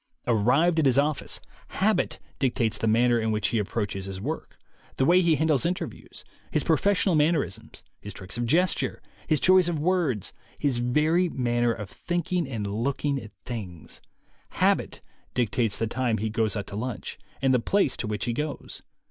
Arrived at his office, habit dictates the manner in which he approaches his work, the way he handles interviews, his pro fessional mannerisms, his tricks of gesture, his choice of words, his very manner of thinking and way of looking at things. Habit dictates the time he goes out to lunch, and the place to which he goes.